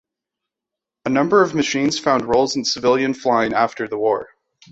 A number of machines found roles in civilian flying after the war.